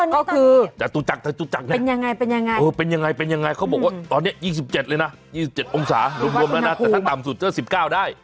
ก็คือเป็นยังไงเขาบอกว่าตอนนี้ยิ่ง๑๗เลยนะ๒๗องศารวมแล้วนะแต่ถ้าต่ำสุดก็๑๙ได้